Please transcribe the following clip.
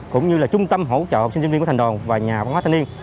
cũng như là trung tâm hỗ trợ sinh viên của thành đoàn và nhà văn hóa thanh niên